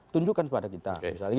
tunjukkan kepada kita